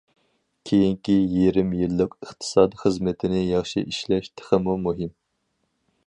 كېيىنكى يېرىم يىللىق ئىقتىساد خىزمىتىنى ياخشى ئىشلەش تېخىمۇ مۇھىم.